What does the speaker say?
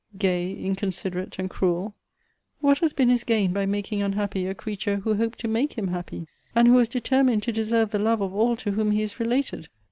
gay, inconsiderate, and cruel! what has been his gain by making unhappy a creature who hoped to make him happy! and who was determined to deserve the love of all to whom he is related!